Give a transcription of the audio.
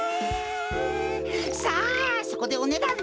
さあそこでおねだんだ！